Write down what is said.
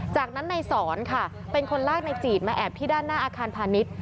จากนั้นนายสอนค่ะเป็นคนลากในจีดมาแอบที่ด้านหน้าอาคารพาณิชย์